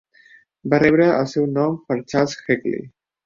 Va rebre el seu nom per Charles Hackley.